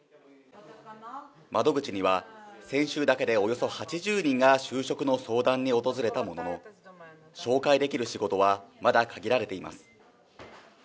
窓口には、先週だけでおよそ８０人が就職の相談に訪れたものの、紹介できる仕事はまだ限られています。